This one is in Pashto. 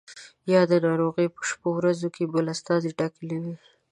یا د ناروغۍ په شپو ورځو کې بل استازی ټاکلی وو.